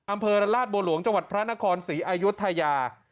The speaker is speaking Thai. อำเภอลาดบัวหลวงจังหวัดพระนครศรีอายุทยา